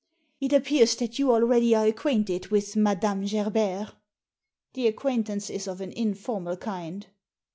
It appears that you already are acquainted with Madame Gerbert" The acquaintance is of an informal kind.